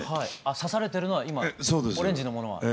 刺されてるのは今オレンジのものは。